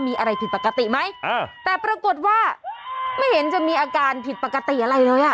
มีอะไรผิดปกติไหมอ่าแต่ปรากฏว่าไม่เห็นจะมีอาการผิดปกติอะไรเลยอ่ะ